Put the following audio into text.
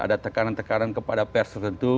ada tekanan tekanan kepada pers tertentu